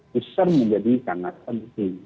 risiko menjadi sangat tinggi